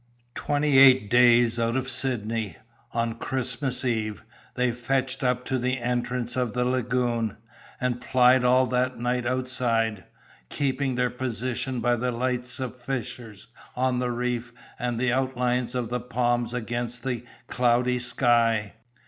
Twenty eight days out of Sydney, on Christmas eve, they fetched up to the entrance of the lagoon, and plied all that night outside, keeping their position by the lights of fishers on the reef and the outlines of the palms against the cloudy sky.